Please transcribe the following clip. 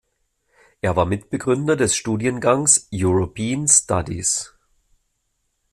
Er war Mitbegründer des Studiengangs European Studies.